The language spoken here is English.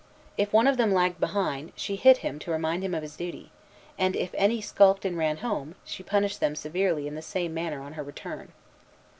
If one of them lagged behind, she hit him to remind him of his duty; and if any skulked and ran home, she punished them severely in the same manner on her return.